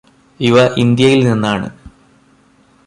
ഇവ ഇന്ത്യയിൽ നിന്നാണ്